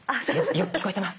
よく聞こえてます。